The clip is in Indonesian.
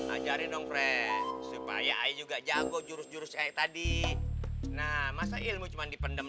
aja dong supaya juga jago jurus jurus saya tadi nah masa ilmu cuman dipendam